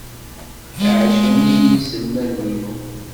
Ɛejben-iyi yiselmaden-inu.